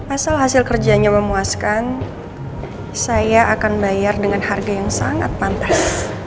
asal hasil kerjanya memuaskan saya akan bayar dengan harga yang sangat pantas